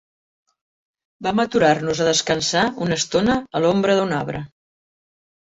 Vam aturar-nos a descansar una estona a l'ombra d'un arbre.